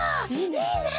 いいね！